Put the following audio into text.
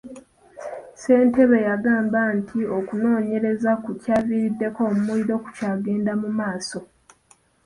Ssentebe yagamba nti okunoonyereza ku kyaviirako omuliro kukyagenda maaso.